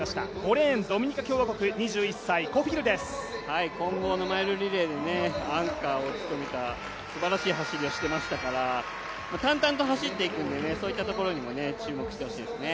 ５レーン、ドミニカ共和国混合マイルのアンカーを務めたすばらしい走りをしてましたから淡々と走っていくんで、そういったところにも注目してほしいです。